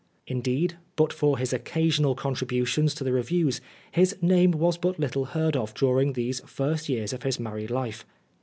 Indeed, but for his occasional contributions to the reviews, his name was but little heard of during these first years of his married life.